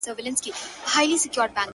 ناز دي کمه سوله دي کم جنګ دي کم-